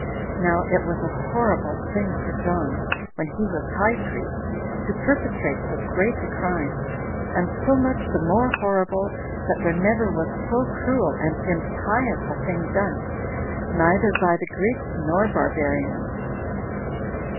Now it was a horrible thing for John, when he was high priest, to perpetrate so great a crime, and so much the more horrible, that there never was so cruel and impious a thing done, neither by the Greeks nor Barbarians.